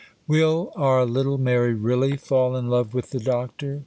WILL our little Mary really fall in love with the Doctor?